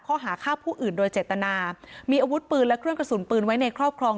ข้อหาฆ่าผู้อื่นโดยเจตนามีอาวุธปืนและเครื่องกระสุนปืนไว้ในครอบครอง